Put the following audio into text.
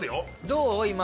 どう？